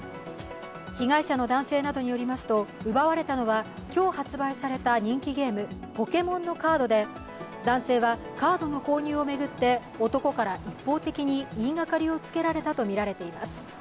被害者の男性などによりますと、奪われたのは今日発売された人気ゲーム「ポケモン」のカードで、男性はカードの購入を巡って、男から一方的に言いがかりをつけられたとみられています。